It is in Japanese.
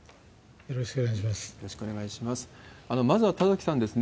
よろしくお願いします。